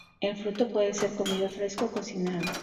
El fruto puede ser comido fresco o cocinado.